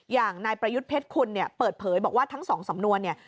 อย่างนายประยุทธ์เพชรคุณเนี่ยเปิดเผยบอกว่าทั้งสองสำนวนเนี่ย